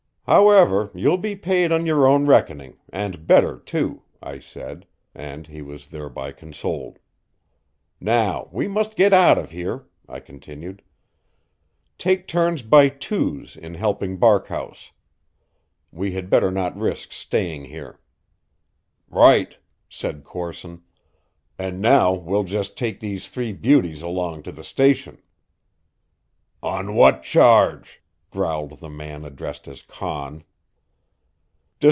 "However, you'll be paid on your own reckoning, and better, too," I said; and he was thereby consoled. "Now, we must get out of here," I continued. "Take turns by twos in helping Barkhouse. We had better not risk staying here." "Right," said Corson, "and now we'll just take these three beauties along to the station." "On what charge?" growled the man addressed as Conn.